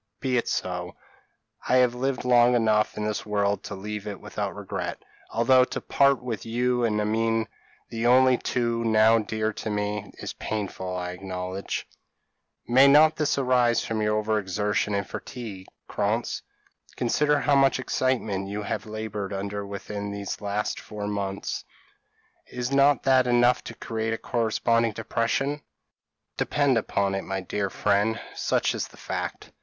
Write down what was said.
Be it so. I have lived long enough in this world to leave it without regret; although to part with you and Amine, the only two now dear to me, is painful, I acknowledge." "May not this arise from over exertion and fatigue, Krantz? Consider how much excitement you have laboured under within these last four months. Is not that enough to create a corresponding depression? Depend upon it, my dear friend, such is the fact."